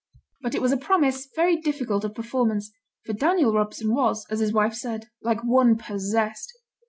But it was a promise very difficult of performance, for Daniel Robson was, as his wife said, like one possessed.